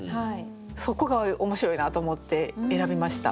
そこが面白いなと思って選びました。